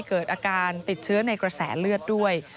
เกิดอาการติดเชื้อในกระแสเลือดด้วย